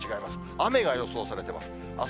雨が予想されてます。